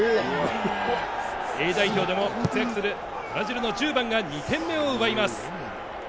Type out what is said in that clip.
Ａ代表でも活躍するブラジルの１０番が２点目を奪います。